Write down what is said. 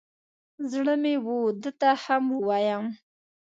زړه مې و ده ته هم ووایم.